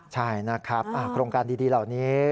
ใช่นะครับโครงการดีเหล่านี้